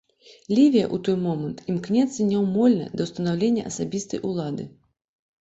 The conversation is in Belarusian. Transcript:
Лівія ў той момант імкнецца няўмольна да ўстанаўлення асабістай улады.